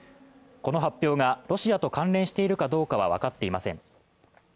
この発表がロシアと関連しているかどうかは分かっていません。